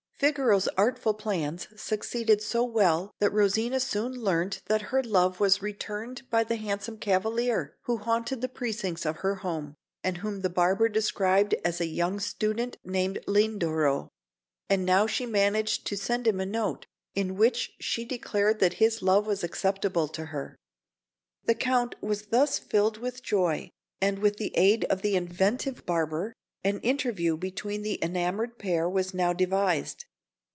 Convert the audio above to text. Figaro's artful plans succeeded so well that Rosina soon learnt that her love was returned by the handsome cavalier who haunted the precincts of her home, and whom the barber described as a young student named Lindoro; and she now managed to send him a note, in which she declared that his love was acceptable to her. The Count was thus filled with joy; and, with the aid of the inventive barber, an interview between the enamoured pair was now devised.